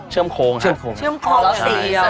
อ่าเชื่อมโค้งครับเชื่อมโค้งเจ๊ฟุ้งเหล่านะครับ